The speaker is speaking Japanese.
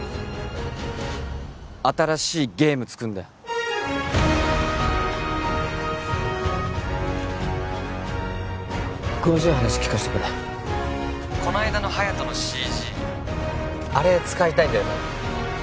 新しいゲーム作るんだよ詳しい話聞かしてくれこないだの隼人のＣＧあれ使いたいんだよね